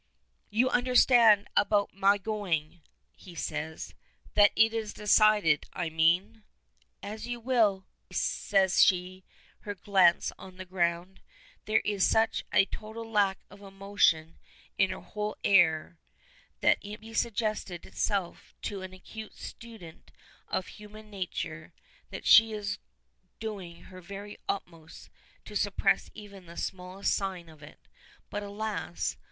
"You understand about my going?" he says; "that it is decided, I mean?" "As you will," says she, her glance on the ground. There is such a total lack of emotion in her whole air that it might suggest itself to an acute student of human nature that she is doing her very utmost to suppress even the smallest sign of it. But, alas!